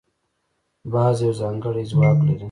باز یو ځانګړی ځواک لري